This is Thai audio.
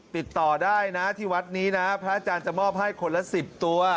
ติดต่อได้นะที่วัดนี้นะพระอาจารย์จะมอบให้คนละ๑๐ตัว